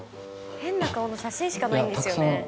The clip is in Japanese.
変な顔の写真しかないんですよね。